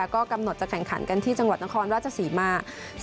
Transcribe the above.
ก็กำหนดจะแข่งขันกันที่จังหวัดนครราชศรีมา